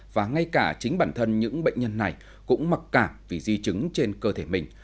và ngay cả chính bản thân những bệnh nhân này cũng mặc cảm vì di chứng trên cơ thể mình